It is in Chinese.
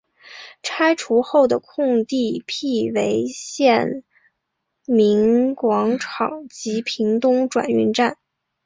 拆除后的空地辟为县民广场及屏东转运站。